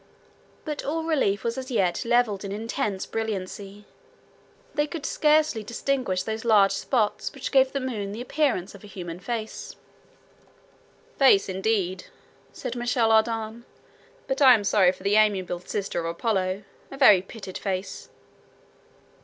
But all relief was as yet leveled in intense brilliancy. They could scarcely distinguish those large spots which give the moon the appearance of a human face. "Face, indeed!" said Michel Ardan; "but I am sorry for the amiable sister of Apollo. A very pitted face!"